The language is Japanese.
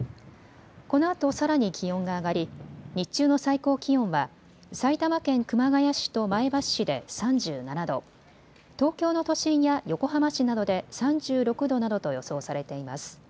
このあとさらに気温が上がり日中の最高気温は埼玉県熊谷市と前橋市で３７度、東京の都心や横浜市などで３６度などと予想されています。